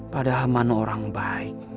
padahal mano orang baik